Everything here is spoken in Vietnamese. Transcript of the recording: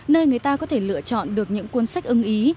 nơi người ta có thể lựa chọn được những cuốn sách ưng ý